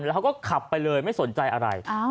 แล้วเขาก็ขับไปเลยไม่สนใจอะไร